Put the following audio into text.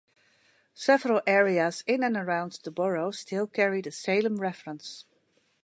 Several areas in and around the borough still carry the Salem reference.